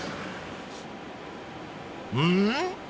うん？